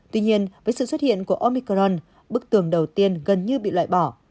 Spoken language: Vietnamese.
tuy nhiên với sự xuất hiện của omicron bức tường đầu tiên gần như bị loại bỏ